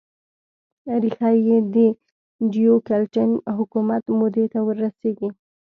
ریښه یې د ډیوکلتین حکومت مودې ته ور رسېږي.